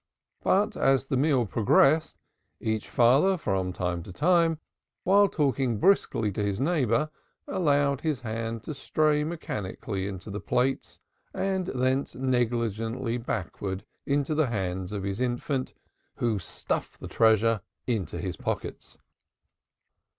But as the meal progressed, each father from time to time, while talking briskly to his neighbor, allowed his hand to stray mechanically into the plates and thence negligently backwards into the hand of his infant, who stuffed the treasure into his pockets.